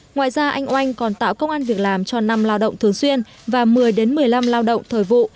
ngoài ra anh oanh còn tạo công an việc làm cho năm lao động thường xuyên và một mươi một mươi năm lao động thời vụ